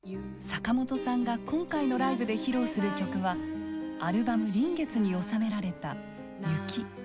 坂本さんが今回のライブで披露する曲はアルバム「臨月」に収められた「雪」。